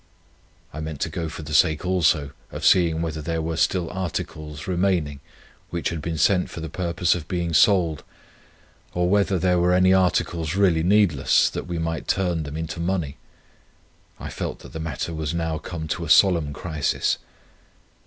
I meant to go for the sake also of seeing whether there were still articles remaining which had been sent for the purpose of being sold, or whether there were any articles really needless, that we might turn them into money. I felt that the matter was now come to a solemn crisis.